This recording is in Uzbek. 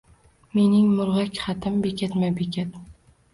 Mening murg’ak xatim bekatma-bekat.